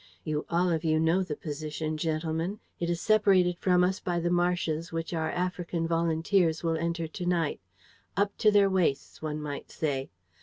You all of you know the position, gentlemen. It is separated from us by the marshes which our African volunteers will enter to night ... up to their waists, one might say.